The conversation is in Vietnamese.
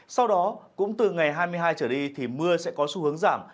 sau đó cũng từ ngày hai mươi hai trở đi thì mưa sẽ có xu hướng giảm